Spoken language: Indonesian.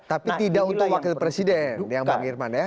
tapi tidak untuk wakil presiden yang bang irman ya